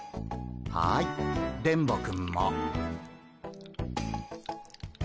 はい電ボくんも。